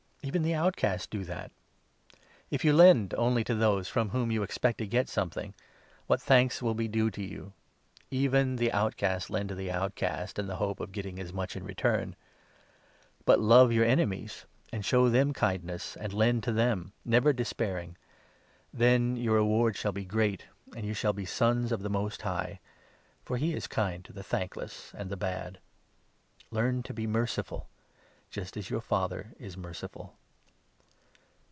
Even the outcast do thatf If you lend only to those from whom 34 you expect to get something, what thanks will be due to you ? Even the outcast lend to the outcast in the hope of get ting as much in return ! But love your enemies, and 35 show them kindness, and lend to them, never despairing. Then your reward shall be great, and you shall be Sons of the Most High, for he is kind to the thankless and the bad. Learn to be merciful — even as your Father is 36 On merciful.